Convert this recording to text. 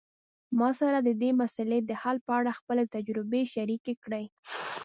ما سره د دې مسئلې د حل په اړه خپلي تجربي شریکي کړئ